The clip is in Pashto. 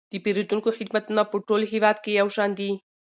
د پیرودونکو خدمتونه په ټول هیواد کې یو شان دي.